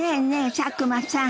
佐久間さん